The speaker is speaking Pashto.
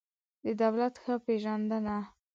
د دولت ښه پېژندنه